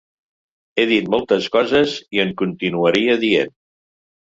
He dit moltes coses i en continuaria dient.